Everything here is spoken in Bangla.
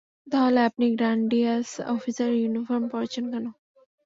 তাহলে আপনি গ্র্যানাডিয়ার্স অফিসারের ইউনিফর্ম পরেছেন কেন?